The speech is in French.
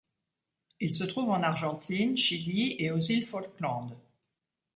Il se trouve en Argentine, Chili et aux îles Falkland.